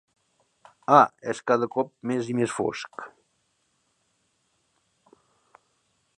Ah, és cada cop més i més fosc.